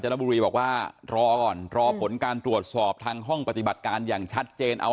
รอก่อนรอผลการตรวจสอบทางห้องปฏิบัติการอย่างชัดเจน